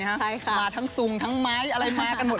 มาทั้งทรงมากัน